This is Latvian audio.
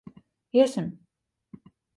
Iesim.